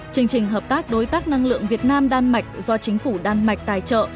chương trình hợp tác đối tác năng lượng việt nam đan mạch do chính phủ đan mạch tài trợ